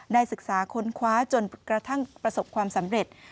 ศึกษาค้นคว้าจนกระทั่งประสบความสำเร็จ